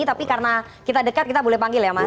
tapi karena kita dekat kita boleh panggil ya mas